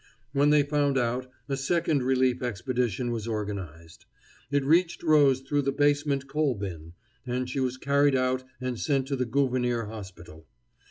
When they found out, a second relief expedition was organized. It reached Rose through the basement coal bin, and she was carried out and sent to the Gouverneur Hospital.